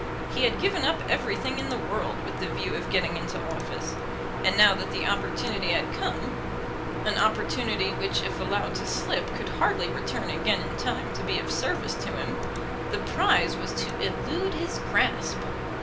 He had given up everything in the world with the view of getting into office; and now that the opportunity had come, an opportunity which if allowed to slip could hardly return again in time to be of service to him, the prize was to elude his grasp!